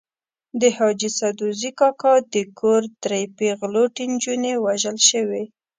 د حاجي سدوزي کاکا د کور درې پېغلوټې نجونې وژل شوې.